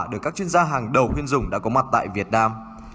được các chuyên gia hàng đầu khuyên dùng đã có mặt tại việt nam